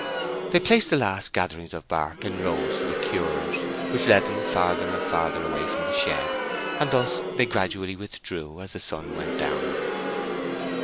They placed the last gatherings of bark in rows for the curers, which led them farther and farther away from the shed; and thus they gradually withdrew as the sun went down.